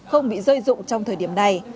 không bị rơi rụng trong thời điểm này